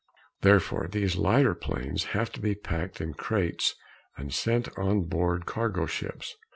Therefore, these lighter planes have to be packed in crates and sent on board cargo ships.